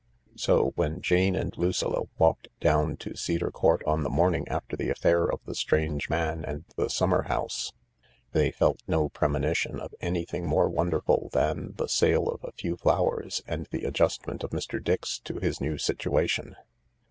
So, when Jane and Lucilla walked down to Cedar Court on the morning after the affair of the Strange Man and the 142 THE LARK 143 Summer house, they felt no premonition of anything more wonderful than the sale of a few flowers and the adjustment of Mr. Dix to his new situation.